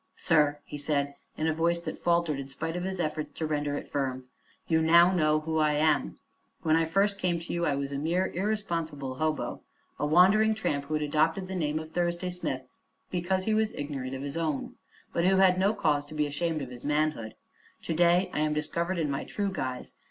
"Sir," he said in a voice that faltered in spite of his efforts to render it firm, "you now know who I am. When I first came to you I was a mere irresponsible hobo, a wandering tramp who had adopted the name of Thursday Smith because he was ignorant of his own, but who had no cause to be ashamed of his manhood. To day I am discovered in my true guise.